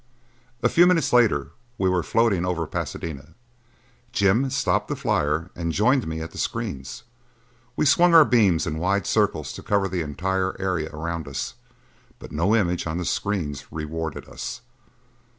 A few minutes later we were floating over Pasadena. Jim stopped the flyer and joined me at the screens. We swung our beams in wide circles to cover the entire area around us, but no image on the screens rewarded us.